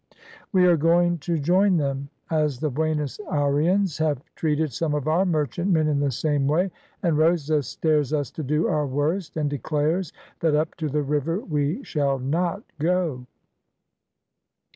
"We are going to join them, as the Buenos Ayrians have treated some of our merchantmen in the same way, and Rosas dares us to do our worst, and declares that up the river we shall not go.